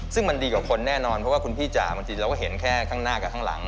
ซึ่งมันดีกว่าคนแน่นอนเพราะว่าคุณพี่จ่าบางทีเราก็เห็นแค่ข้างหน้ากับข้างหลัง